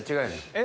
え？